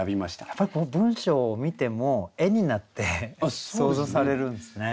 やっぱり文章を見ても絵になって想像されるんですね。